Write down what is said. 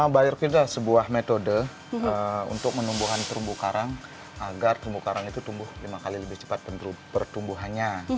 birokin itu adalah sebuah metode untuk menumbuhan terumbu karang agar terumbu karang itu tumbuh lima kali lebih cepat pertumbuhannya